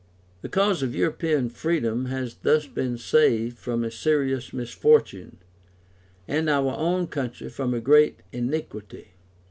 The cause of European freedom has thus been saved from a serious misfortune, and our own country from a great iniquity.